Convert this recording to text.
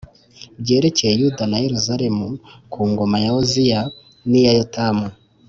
byerekeye Yuda na Yeruzalemu ku ngoma ya Oziya, iya Yotamu,